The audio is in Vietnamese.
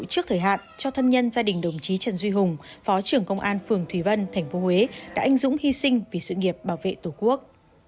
trước thời hạn cho thân nhân gia đình đồng chí trần duy hùng phó trưởng công an phường thủy vân tp huế đã anh dũng hy sinh vì sự nghiệp bảo vệ tổ quốc